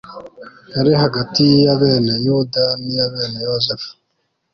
yari hagati y'iya bene yuda n'iya bene yozefu